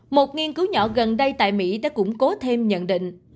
một nghiên cứu nhỏ gần đây tại mỹ đã củng cố thêm nhận định